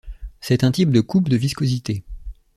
C'est un type de coupe de viscosité.